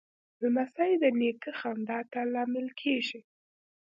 لمسی د نیکه خندا ته لامل کېږي.